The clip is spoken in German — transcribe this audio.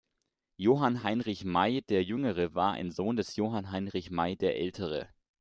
Johann Heinrich May der Jüngere war ein Sohn des Johann Heinrich May der Ältere.